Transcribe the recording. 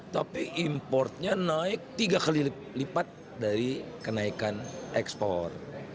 tapi importnya naik tiga kali lipat dari kenaikan ekspor